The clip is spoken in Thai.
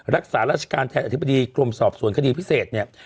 รักษาราชการแทนอธิบดีกรมสอบสวนคดีพิเศษเนี่ย